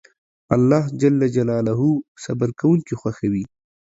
الله جل جلاله صبر کونکي خوښوي